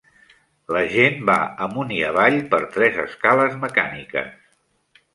La gent va amunt i avall per tres escales mecàniques.